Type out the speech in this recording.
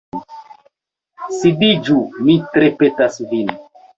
Sidiĝu, mi tre petas vin.